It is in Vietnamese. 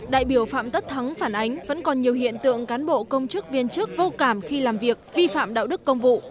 đại biểu phạm tất thắng phản ánh vẫn còn nhiều hiện tượng cán bộ công chức viên chức vô cảm khi làm việc vi phạm đạo đức công vụ